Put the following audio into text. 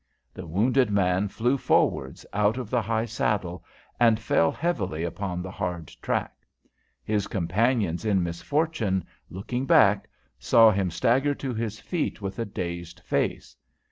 The wounded man flew forwards out of the high saddle, and fell heavily upon the hard track. His companions in misfortune, looking back, saw him stagger to his feet with a dazed face.